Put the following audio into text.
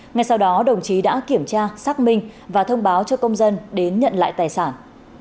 ngay sau đó đồng chí đã kiểm tra xác minh và thông báo cho công dân đến nhận lại tài sản